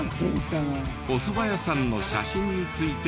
おそば屋さんの写真について伺う事に。